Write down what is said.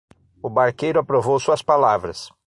O barqueiro aprovou suas palavras.